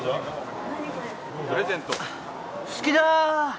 好きだ。